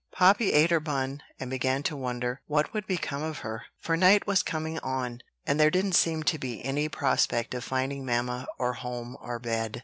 Poppy ate her bun, and began to wonder what would become of her; for night was coming on, and there didn't seem to be any prospect of finding mamma or home or bed.